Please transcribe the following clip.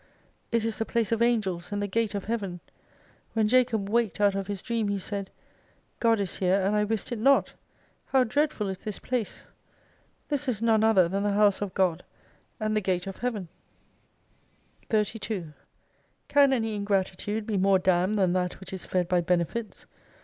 It is the place of Angels and the Gate of Heaven. When Jacob waked out of his dream, he said " God is here, and I wist it not. How dreadful is this place I This is none other than the House oj God, and the Gate of Heaven^^ 21 32 Can any ingratitude be more damned than that which is fed by benefits